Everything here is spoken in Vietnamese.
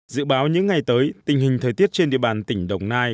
dự báo những ngày tới tình hình thời tiết trên địa bàn tỉnh đồng nai